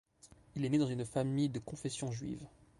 Il est né dans une famille de confession juive.